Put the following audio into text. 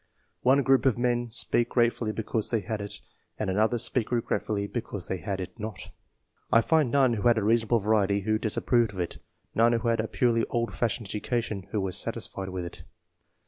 One group of men speak grate fully because they had it, and another speak regretfully because they had it not. I find none who had a reasonable variety who disapproved of it, none who had a purely old fashioned edu cation who were satisfied with it.